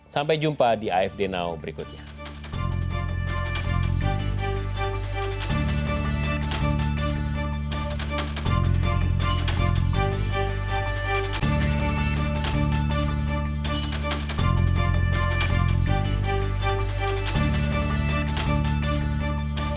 sampai jumpa di afd now berikutnya